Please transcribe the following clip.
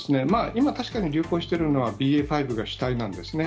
今、確かに流行しているのはＢＡ．５が主体なんですね、